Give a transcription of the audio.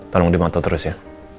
tolong dimantau terus ya